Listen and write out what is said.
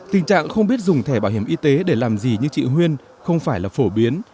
tình trạng không biết dùng thẻ bảo hiểm y tế để làm gì như chị huyên không phải là phổ biến